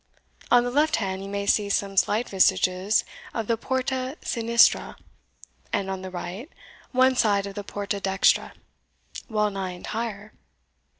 On the left hand you may see some slight vestiges of the porta sinistra, and on the right, one side of the porta dextra wellnigh entire.